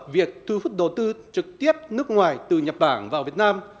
việc thu hút đầu tư trực tiếp nước ngoài từ nhật bản vào việt nam